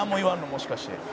もしかして」